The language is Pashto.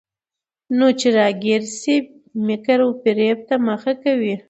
نو چې راګېره شي، مکر وفرېب ته مخه کوي.